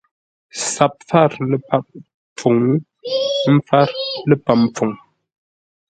SAP pfár ləpap pfuŋ, ə́ pfár ləpəm pfuŋ.